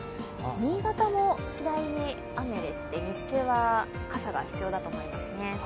新潟も次第に雨でして日中は傘が必要だと思いますね。